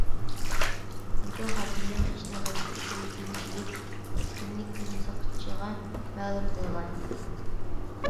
بانكا خادىملىرى ئىشنىڭ غەلىتە ئىكەنلىكىنى سېزىپ، كەسكىنلىك بىلەن ساقچىغا مەلۇم قىلغان.